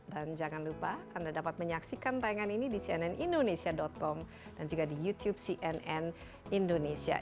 dan jangan lupa anda dapat menyaksikan tayangan ini di cnn indonesia com dan juga di youtube cnn indonesia